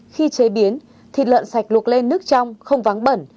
khi chế biến thịt lợn sạch luộc lên nước trong không vắng bẩn